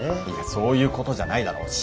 いやそういうことじゃないだろ？